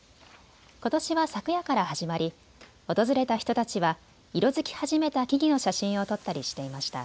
ことしは昨夜から始まり訪れた人たちは色づき始めた木々の写真を撮ったりしていました。